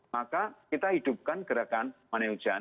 maka kita hidupkan gerakan mani hujan